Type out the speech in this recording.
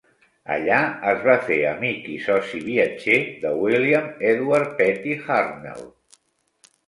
Allà es va fer amic i soci viatger de William Edward Petty Hartnell.